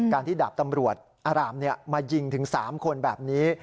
ที่ดาบตำรวจอารามมายิงถึง๓คนแบบนี้